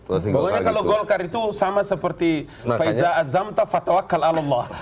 pokoknya kalau golkar itu sama seperti faizah azam atau fatwaq kal allah